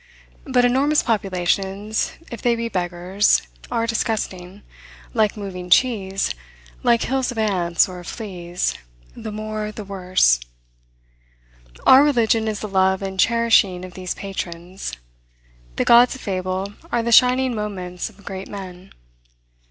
But enormous populations, if they be beggars, are disgusting, like moving cheese, like hills of ants, or of fleas the more, the worse. Our religion is the love and cherishing of these patrons. The gods of fable are the shining moments of great men.